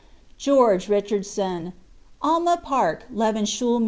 GEORGE RICHARDSON. Alma Park, L evens hulme.